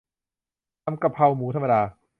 ทำกระเพราหมูธรรมดา